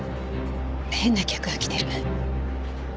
変な客が来てる。